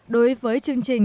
đối với chương trình